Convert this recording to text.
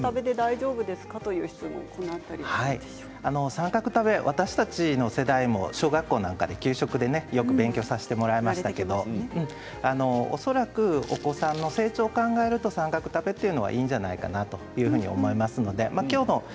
三角食べ、私たちの世代も小学校の給食などでよく勉強させてもらいましたけど恐らくお子さんの成長を考えると三角食べというのはいいんじゃないかというふうに思います。